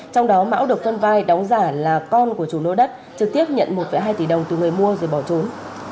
trong đó mão được phân vai đóng giả là con của chủ lô đất trực tiếp nhận một hai tỷ đồng từ người mua rồi bỏ trốn